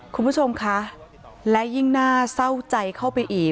คุณผู้ชมคะและยิ่งน่าเศร้าใจเข้าไปอีก